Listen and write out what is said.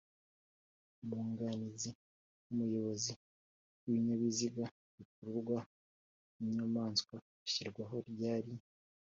umwuganizi wumuyobozi w’ibinyabiziga bikururwa n’inyamaswa ashyirwaho ryari